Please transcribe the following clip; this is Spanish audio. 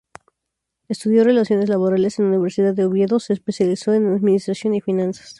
Estudió Relaciones Laborales en la universidad de Oviedo, se especializó en administración y finanzas.